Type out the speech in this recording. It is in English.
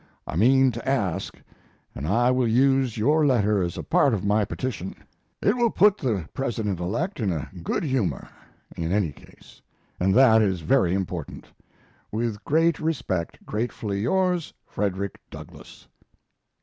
I mean to ask, and I will use your letter as a part of my petition. It will put the President elect in a good humor, in any case, and that is very important. With great respect, Gratefully yours, FREDERICK DOUGLASS.